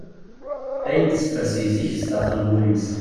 Ayen teffer seg zik s daxel n wul-is.